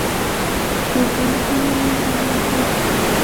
د ځان کم ګڼل همت وژني.